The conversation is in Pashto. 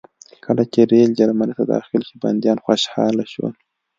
کله چې ریل جرمني ته داخل شو بندیان خوشحاله شول